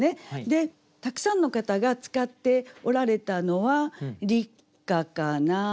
たくさんの方が使っておられたのは「立夏かな」。